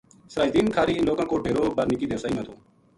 سراج دین کھاہری اِنھ لوکاں کو ڈیرو بَر نِکی دیواسئی ما تھو